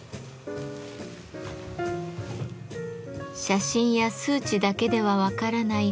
写真や数値だけでは分からない